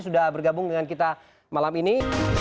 sudah bergabung dengan kita malam ini